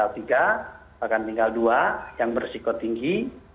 bahkan tinggal dua yang bersiko tinggi